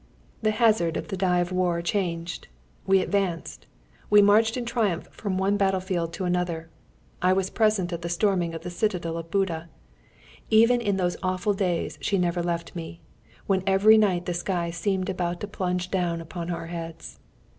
The hazard of the die of war changed. We advanced. We marched in triumph from one battle field to another. I was present at the storming of the citadel of Buda. Even in those awful days she never left me, when every night the sky seemed about to plunge down upon our heads.